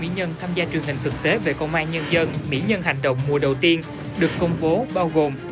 bảy mươi nhân tham gia truyền hình thực tế về công an nhân dân mỹ nhân hành động mùa đầu tiên được công bố bao gồm